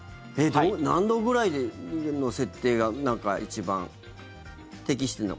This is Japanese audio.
何度ぐらいの設定が一番適してるのか。